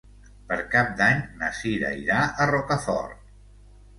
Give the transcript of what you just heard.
Per Cap d'Any na Cira irà a Rocafort.